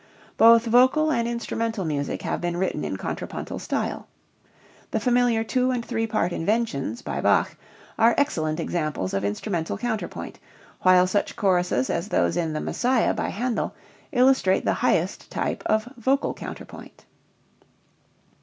Both vocal and instrumental music have been written in contrapuntal style. The familiar two and three part "inventions" by Bach are excellent examples of instrumental counterpoint, while such choruses as those in "The Messiah" by Handel illustrate the highest type of vocal counterpoint.